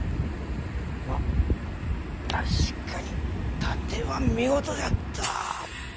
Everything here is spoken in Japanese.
まあ確かに殺陣は見事じゃったあ。